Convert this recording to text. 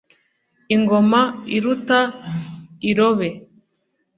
ingoma iruta irobe